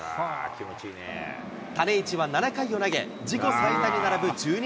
種市は７回を投げ、自己最多に並ぶ１２